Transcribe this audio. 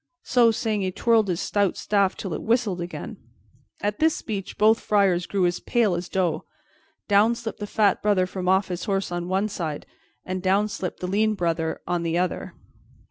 So saying, he twirled his stout staff till it whistled again. At this speech both friars grew as pale as dough. Down slipped the fat Brother from off his horse on one side, and down slipped the lean Brother on the other.